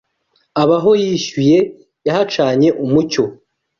Abaho yishyuye yahacanye umucyo